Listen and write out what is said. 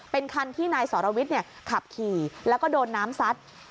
เป็นคันที่นายสรวิทย์ขับขี่แล้วก็โดนน้ำซัด